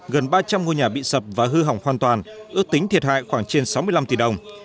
gần ba trăm linh ngôi nhà bị sập và hư hỏng hoàn toàn ước tính thiệt hại khoảng trên sáu mươi năm tỷ đồng